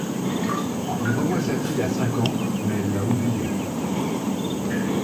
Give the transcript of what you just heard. Il revoit sa fille à cinq ans mais elle l'a oublié.